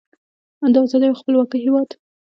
د ازادۍ او خپلواکۍ هیواد.